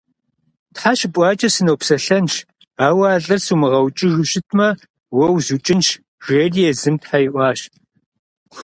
Тхьэ щыпӀуакӀэ сынопсэлъэнщ, ауэ а лӏыр сумыгъэукӀыжу щытмэ, уэ узукӀынщ, жери езыми тхьэ иӀуащ.